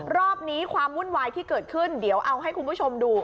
รอบนี้ความวุ่นวายที่เกิดขึ้นเดี๋ยวเอาให้คุณผู้ชมดู